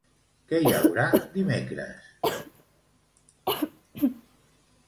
Què hi haurà dimecres?